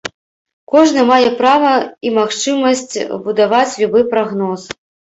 Кожны мае права і магчымасць будаваць любы прагноз.